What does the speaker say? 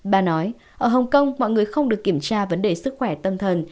bà nói ở hồng kông mọi người không được kiểm tra vấn đề sức khỏe tâm thần